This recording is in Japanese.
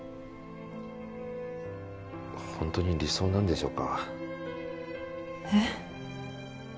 ホントに理想なんでしょうかえっ？